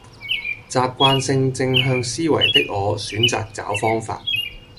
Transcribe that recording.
習慣性正向思維的我選擇找方法